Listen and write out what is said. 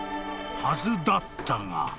［はずだったが］